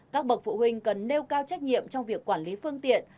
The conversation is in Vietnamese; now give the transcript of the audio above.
các bậc phụ huynh cần nêu cao trách nhiệm trong việc quản lý phương tiện